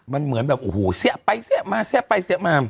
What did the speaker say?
มันเหมือนแบบโอ้โหเสี้ยไปเสี้ยมาเสี้ยไปเสี้ยมา